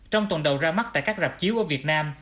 trong tuần đầu ra mắt tại các rạp chiếu ở việt nam